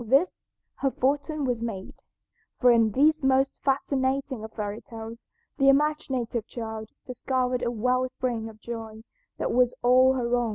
With this her fortune was made, for in these most fascinating of fairy tales the imaginative child discovered a well spring of joy that was all her own.